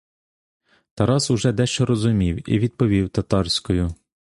Тарас уже дещо розумів і відповів татарською.